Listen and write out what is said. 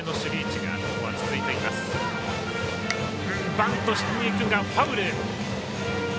バントにいくがファウル。